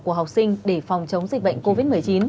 của học sinh để phòng chống dịch bệnh covid một mươi chín